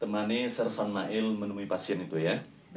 temani sir sam mail menemui pasien itu ya